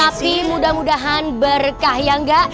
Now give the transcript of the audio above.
tapi mudah mudahan berkah ya enggak